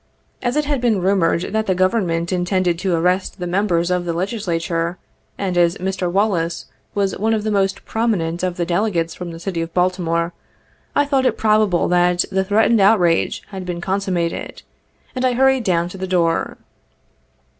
As it had been rumored that the Government intended to arrest the members of the Legislature, and as Mr. Wallis was one of the most prominent of the Delegates from the City of Baltimore, I thought it probable that the threatened outrage had been consummated, and I hurried down to the door.